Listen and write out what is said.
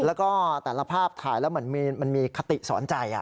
แล้วก็แต่ละภาพถ่ายแล้วเหมือนมันมีคติสอนใจ